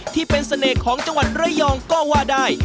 ที่เป็นเสน่ห์ของจังหวัดระยองก็ว่าได้